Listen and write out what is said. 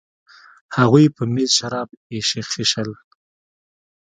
هغوی په میز شراب ایشخېشل.